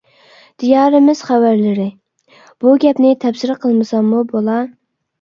دىيارىمىز خەۋەرلىرى: بۇ گەپنى تەپسىر قىلمىساممۇ بولا!